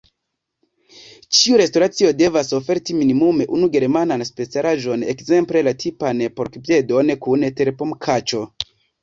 Ĉiu restoracio devas oferti minimume unu germanan specialaĵon, ekzemple la tipan porkpiedon kun terpomkaĉo.